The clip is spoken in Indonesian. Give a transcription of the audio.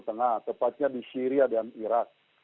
tepatnya di syria dan iraq